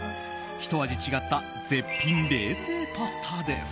ひと味違った絶品冷製パスタです。